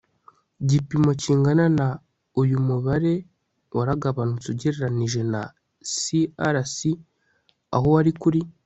gipimo kingana na Uyu mubare waraganutse ugereranije na CRC aho wari kuri